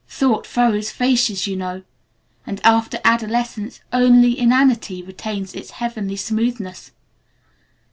Thought furrows faces you know, and after Adolescence only Inanity retains its heavenly smoothness.